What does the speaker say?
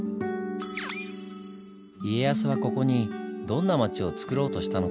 家康はここにどんな町をつくろうとしたのか？